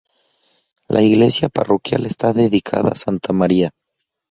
La iglesia parroquial está dedicada a Santa María.